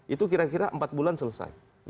itu kira kira empat bulan selesai